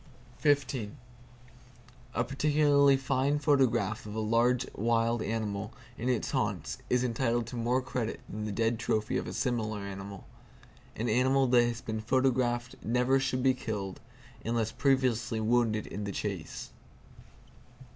A particularly fine photograph of a large wild animal in its haunts is entitled to more credit than the dead trophy of a similar animal. An animal that has been photographed never should be killed, unless previously wounded in the chase.